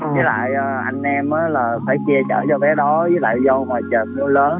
với lại anh em là phải chia chở cho bé đó với lại do trời mưa lớn